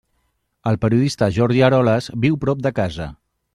El periodista Jordi Eroles viu prop de casa.